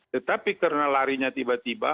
tetapi karena larinya tiba tiba